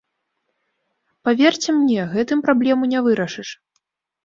Паверце мне, гэтым праблему не вырашыш.